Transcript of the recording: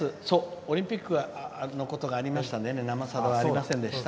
オリンピックのことがありましたので「生さだ」がありませんでした。